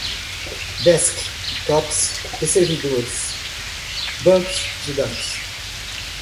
desktops e servidores, bancos de dados